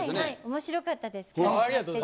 面白かったです。